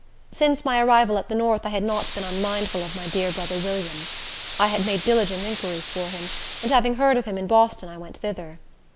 Since my arrival at the north I had not been unmindful of my dear brother William. I had made diligent inquiries for him, and having heard of him in Boston, I went thither.